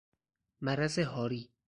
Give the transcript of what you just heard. مرض هاری